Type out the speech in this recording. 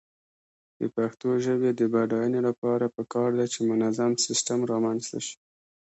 د پښتو ژبې د بډاینې لپاره پکار ده چې منظم سیسټم رامنځته شي.